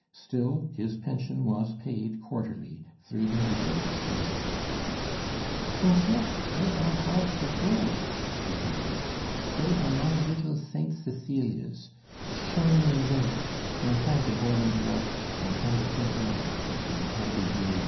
still, his pension was paid quarterly through the medium of solicitors. "Und yet, dey are hearts of gold," he concluded. "Dey are my liddle Saint Cecilias, sharming vimmen, Montame de Bordentuere, Montame de Fantenesse, und Montame du Dilet.